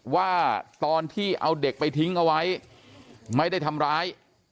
ว่าตอนที่เอาเด็กไปทิ้งเอาไว้ไม่ได้ทำร้าย